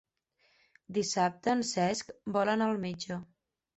Dissabte en Cesc vol anar al metge.